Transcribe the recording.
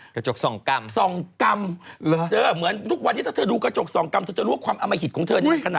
พอนี่ไหล่คอสทุมนางแน่น